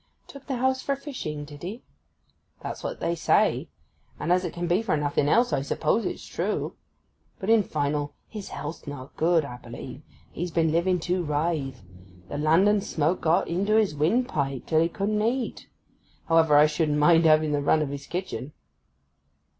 'Took the house for fishing, did he?' 'That's what they say, and as it can be for nothing else I suppose it's true. But, in final, his health's not good, 'a b'lieve; he's been living too rithe. The London smoke got into his wyndpipe, till 'a couldn't eat. However, I shouldn't mind having the run of his kitchen.